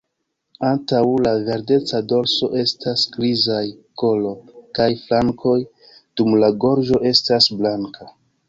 Antaŭ la verdeca dorso estas grizaj kolo kaj flankoj, dum la gorĝo estas blanka.